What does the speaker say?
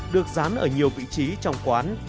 được dán ở nhiều vị trí trong quán